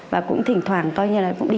và cũng thỉnh thoảng coi như là cũng đi